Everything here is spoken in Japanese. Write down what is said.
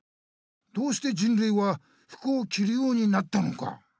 どうして人類は服をきるようになったのか。